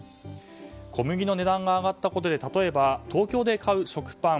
小麦の値段が上がったことで例えば東京で買う食パン。